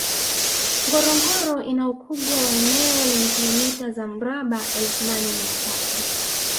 Ngorongoro ina ukubwa wa eneo lenye kilomita za mraba elfu nane mia tatu